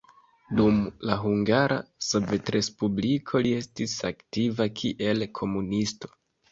Dum la Hungara Sovetrespubliko li estis aktiva kiel komunisto.